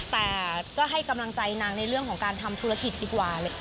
แต่ก็ให้กำลังใจนางในเรื่องของการทำธุรกิจดีกว่า